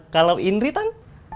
kalau indri tan